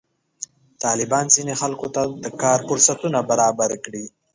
طالبانو ځینې خلکو ته کار فرصتونه برابر کړي.